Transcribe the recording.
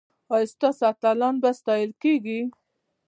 ایا ستاسو اتلان به ستایل کیږي؟